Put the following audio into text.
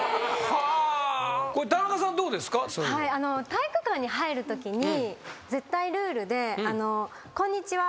体育館に入るときに絶対ルールで「こんにちは。